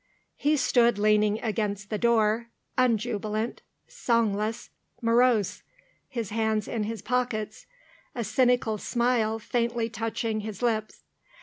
He stood leaning against the door, unjubilant, songless, morose, his hands in his pockets, a cynical smile faintly touching his lips.